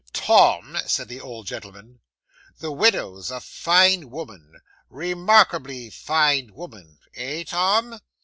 '"Tom," said the old gentleman, "the widow's a fine woman remarkably fine woman eh, Tom?"